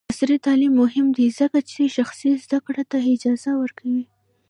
عصري تعلیم مهم دی ځکه چې شخصي زدکړې ته اجازه ورکوي.